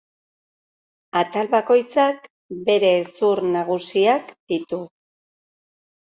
Atal bakoitzak bere hezur nagusiak ditu.